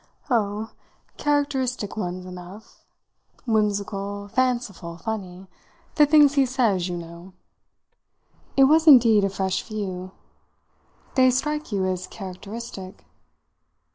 "Oh, characteristic ones enough whimsical, fanciful, funny. The things he says, you know." It was indeed a fresh view. "They strike you as characteristic?"